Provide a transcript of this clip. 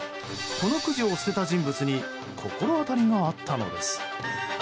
このくじを捨てた人物に心当たりがあったのです。